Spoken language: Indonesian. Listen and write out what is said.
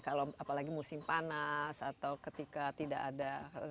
kalau apalagi musim panas atau ketika tidak ada